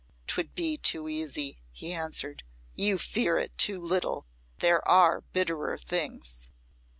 "'Twould be too easy," he answered. "You fear it too little. There are bitterer things."